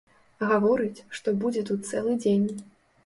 Гаворыць, што будзе тут цэлы дзень.